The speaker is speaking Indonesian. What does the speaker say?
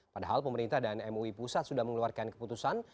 padahal pemerintah dan mui pusat sudah mengeluarkan keputusan